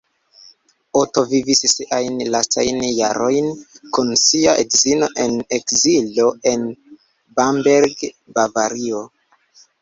Otto vivis siajn lastajn jarojn kun sia edzino en ekzilo en Bamberg, Bavario.